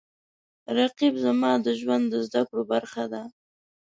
رقیب زما د ژوند د زده کړو برخه ده